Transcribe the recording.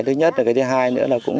cái thứ nhất và cái thứ hai nữa là cũng